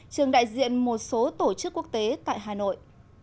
trường đại diện một số tổ chức quốc tế tại hà nội